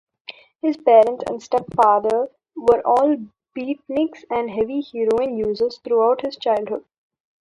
His parents and stepfather were all Beatniks, and heavy heroin users throughout his childhood.